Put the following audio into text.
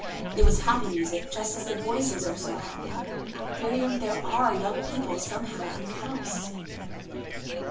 It was happy music, just as the Voices are so happy. Miriam, there are young people somehow in your house.'